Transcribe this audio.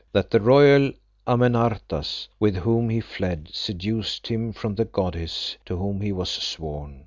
That the royal Amenartas, with whom he fled, seduced him from the goddess to whom he was sworn.